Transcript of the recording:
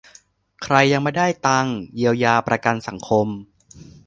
ใครยังไม่ได้ตังค์ เยียวยา ประกันสังคม